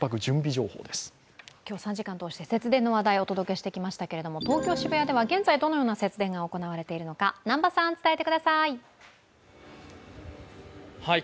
今日３時間を通して、節電の話題をお伝えしてきましたが、東京・渋谷では現在、どのような節電が行われているのか南波さん、伝えてください。